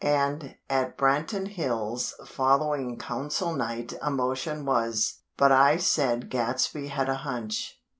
And, at Branton Hills' following Council night a motion was But I said Gadsby had a hunch.